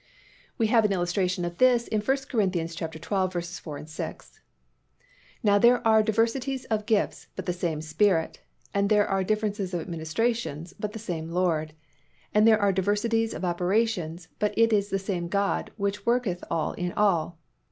_ We have an illustration of this in 1 Cor. xii. 4 6, "Now there are diversities of gifts, but the same Spirit. And there are differences of administrations, but the same Lord. And there are diversities of operations, but it is the same God which worketh all in all."